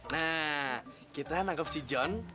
nah kita menangkap si john